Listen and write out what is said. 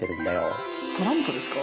トランプですか？